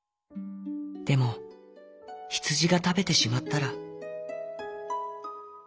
でもヒツジがたべてしまったら」。